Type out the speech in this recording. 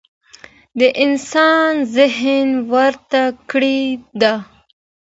د انسان ذهن وده کړې ده.